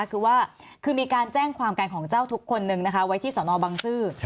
คือว่าคือมีการแจ้งความกันของเจ้าทุกคนนึงนะคะไว้ที่สนบังซื้อ